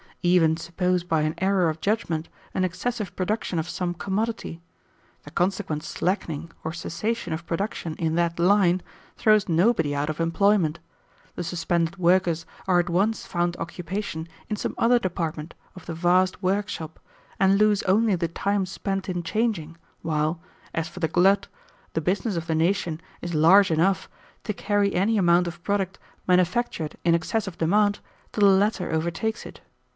Even suppose by an error of judgment an excessive production of some commodity. The consequent slackening or cessation of production in that line throws nobody out of employment. The suspended workers are at once found occupation in some other department of the vast workshop and lose only the time spent in changing, while, as for the glut, the business of the nation is large enough to carry any amount of product manufactured in excess of demand till the latter overtakes it.